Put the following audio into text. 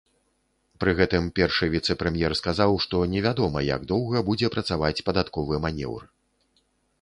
Пры гэтым першы віцэ-прэм'ер сказаў, што невядома, як доўга будзе працаваць падатковы манеўр.